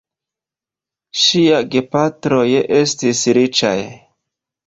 Ŝiaj gepatroj estis riĉaj.